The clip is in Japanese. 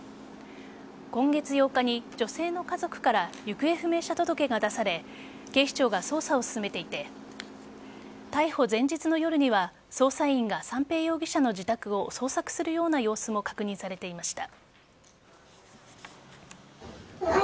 今月８日に女性の家族から行方不明者届が出され警視庁が捜査を進めていて逮捕前日の夜には捜査員が三瓶容疑者の自宅を捜索するような様子も確認されていました。